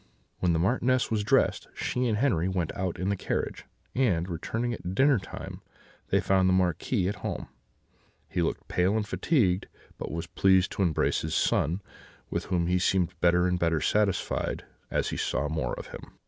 "When the Marchioness was dressed, she and Henri went out in the carriage; and, returning at dinner time, they found the Marquis at home: he looked pale and fatigued, but was pleased to embrace his son, with whom he seemed better and better satisfied as he saw more of him.